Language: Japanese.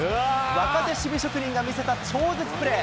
若手守備職人が見せた超絶プレー。